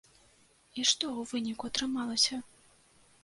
І што ў выніку атрымалася?